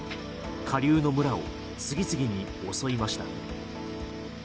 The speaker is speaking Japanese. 下流の村を次々に襲いました。